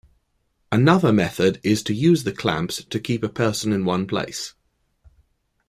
Another method is to use the clamps to keep a person in one place.